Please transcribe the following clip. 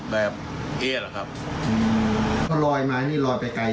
แบบเยอะหรอครับอืมพอลอยมานี่ลอยไปไกล